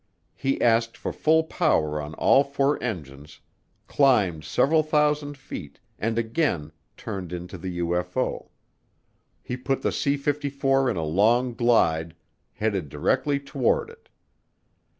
He asked for full power on all four engines, climbed several thousand feet, and again turned into the UFO. He put the C 54 in a long glide, headed directly toward it.